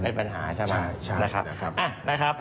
เป็นปัญหาใช่เปล่าใช่ครับ